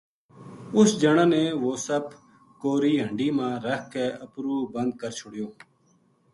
اس جنا نے وہ سپ کَوری ہنڈی ما رکھ کے اُپرو بند کر چھُڑیو